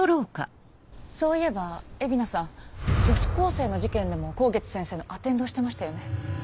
そういえば蝦名さん女子高生の事件でも香月先生のアテンドをしてましたよね？